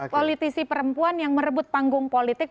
politisi perempuan yang merebut panggung politik